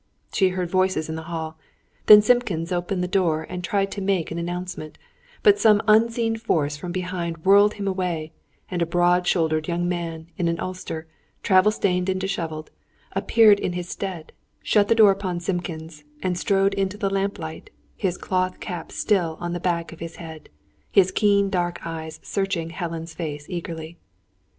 She heard voices in the hall, then Simpkins opened the door and tried to make an announcement, but some unseen force from behind whirled him away, and a broad shouldered young man in an ulster, travel stained and dishevelled, appeared in his stead, shut the door upon Simpkins, and strode into the lamplight, his cloth cap still on the back of his head, his keen dark eyes searching Helen's face eagerly.